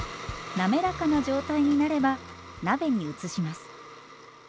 滑らかな状態になれば鍋に移します。